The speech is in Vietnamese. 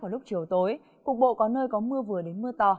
vào lúc chiều tối cục bộ có nơi có mưa vừa đến mưa to